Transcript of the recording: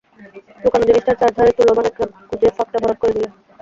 লুকোনো জিনিসটার চারধারে তুলো বা ন্যাকড়া গুঁজে ফাঁকটা ভরাট করে দিলে।